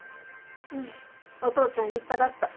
うんお父ちゃん立派だった。